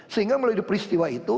sehingga melalui peristiwa itu